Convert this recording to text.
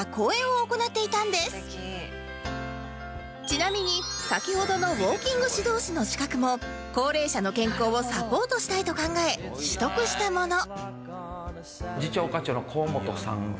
ちなみに先ほどのウオーキング指導士の資格も高齢者の健康をサポートしたいと考え取得したもの